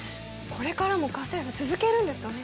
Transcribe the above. これからも家政婦続けるんですかね？